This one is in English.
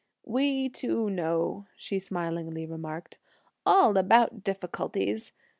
"We too know," she smilingly remarked, "all about difficulties!